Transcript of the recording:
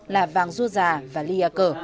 là vàng dua già và ly a cở